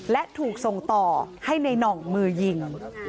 และถูกส่งต่อให้ในน่องมือยิง